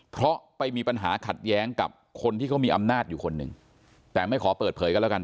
เพราะไปมีปัญหาขัดแย้งกับคนที่เขามีอำนาจอยู่คนหนึ่งแต่ไม่ขอเปิดเผยกันแล้วกัน